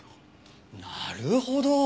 なるほど！